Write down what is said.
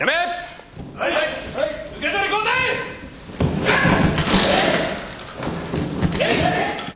うっ。